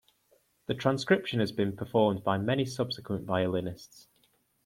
The transcription has been performed by many subsequent violinists.